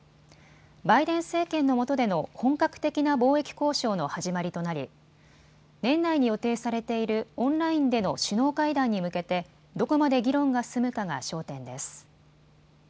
バイデン政権のもとでの本格的な貿易交渉の始まりとなり年内に予定されているオンラインでの首脳会談に向けてどこまで議論が進むかが焦点です。